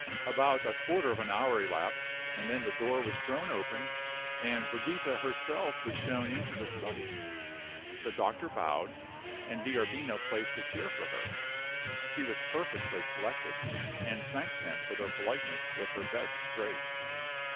About a quarter of an hour elapsed, and then the door was thrown open, and Brigida herself was shown into the study. The doctor bowed, and D'Arbino placed a chair for her. She was perfectly collected, and thanked them for their politeness with her best grace.